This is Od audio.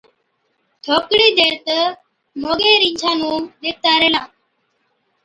ٿوڪڙِي دير تہ موڳي رِينڇا نُون ڏيکتا ريهلا،